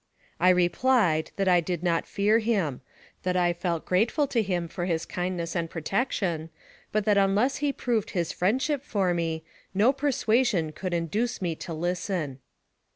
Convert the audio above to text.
I replied, that I did not fear him ; that I felt grate ful to him for his kindness and protection, but that unless he proved his friendship for me, no persuasion could induce me to listen.